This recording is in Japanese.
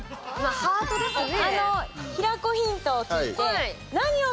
ハートですね。